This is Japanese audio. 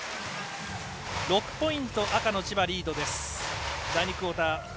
６ポイント、赤の千葉リード。